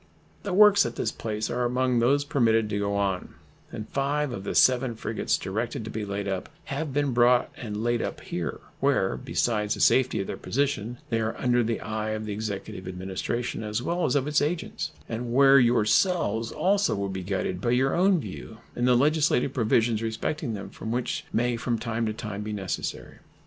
The works at this place are among those permitted to go on, and 5 of the 7 frigates directed to be laid up have been brought and laid up here, where, besides the safety of their position, they are under the eye of the Executive Administration, as well as of its agents, and where yourselves also will be guided by your own view in the legislative provisions respecting them which may from time to time be necessary.